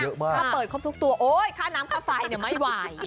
ถ้าเปิดครบทุกตัวโอ๊ยค่าน้ำค่าไฟไม่ไหว